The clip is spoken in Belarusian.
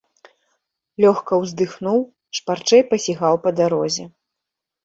Лёгка ўздыхнуў, шпарчэй пасігаў па дарозе.